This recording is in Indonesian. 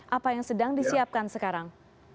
apa yang sedang disiapkan sekarang